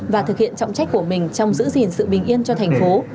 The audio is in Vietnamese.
và thực hiện trọng trách của mình trong giữ gìn sự bình yên cho thành phố